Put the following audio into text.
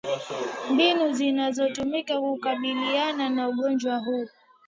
mbinu zinazotumika kukabiliana na ugonjwa huo